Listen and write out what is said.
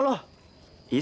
selamat siang bang